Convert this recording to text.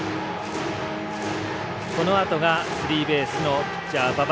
このあとがスリーベースのピッチャー、馬場。